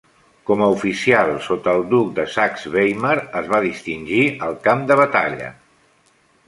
Com a oficial sota el duc de Saxe-Weimar, es va distingir al camp de batalla.